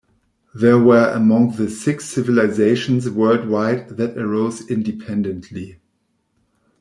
These were among the six civilizations worldwide that arose independently.